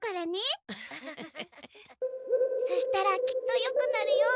そしたらきっとよくなるよ。